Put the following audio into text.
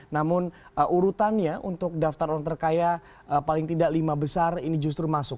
namun urutannya untuk daftar orang terkaya paling tidak lima besar ini justru masuk